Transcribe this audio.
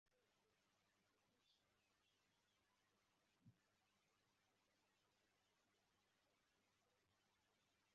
Umukobwa wambaye ishati yubururu asimbukira mu kirere